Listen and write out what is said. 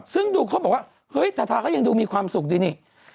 ซึ่งดูเขาบอกว่าทธาเขายังดูมีความสุขดี